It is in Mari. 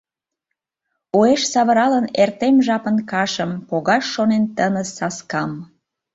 Уэш савыралын эртем жапын кашым, Погаш шонен тыныс саскам.